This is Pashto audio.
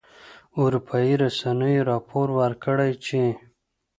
اروپایي رسنیو راپور ورکړی چې